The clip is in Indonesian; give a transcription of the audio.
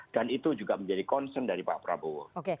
dan itu juga menjadi concern dari pak prabowo